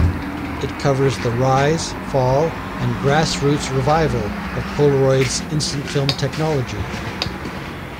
It covers the rise, fall, and grass-roots revival of Polaroid's instant film technology.